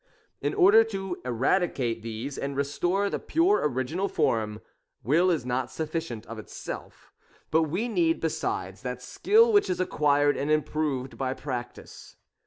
In order to eradicate these and restore the pure original form, Will is not sufficient of itself, but we need besides, that skill which is acquired and improved by practice.